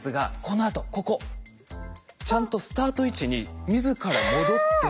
このあとここ。ちゃんとスタート位置に自ら戻って。